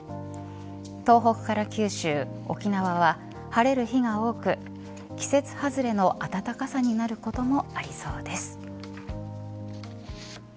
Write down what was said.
東北から九州、沖縄は晴れる日が多く季節外れの暖かさになることもありそうです。